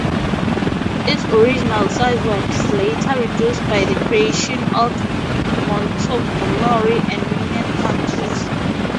Its original size was later reduced by the creation of Montgomery and Union counties.